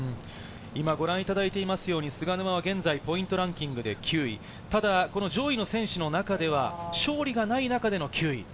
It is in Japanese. ご覧いただいてますように菅沼は現在ポイントランキングで９位、上位の選手の中では勝利がない中での９位。